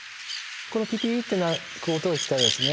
このピピーって鳴く音がきたらですね